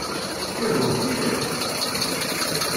Ihuh, d tidet?